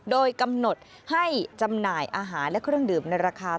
โดยกำหนดให้จำหน่ายอาหารและเครื่องดื่มในราคา